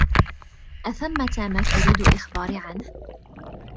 أثمّة ما تريد إخباري عنه؟